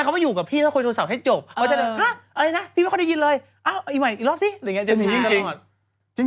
ใช่ถ้าอยู่กับพี่แล้วคอยโทรศัพท์ให้จบ